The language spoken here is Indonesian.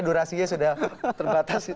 durasinya sudah terbatas